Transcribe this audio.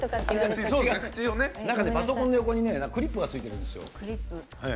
パソコンの横にクリップがついてるんですよ。